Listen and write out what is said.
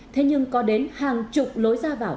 thế nhưng có đến hàng chục lối ra vào